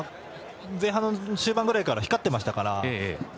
前半の終盤ぐらいから光ってましたから。